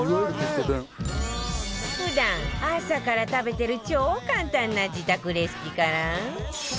普段、朝から食べてる超簡単な自宅レシピから。